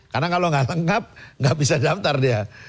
karena kalau gak lengkap gak bisa daftar dia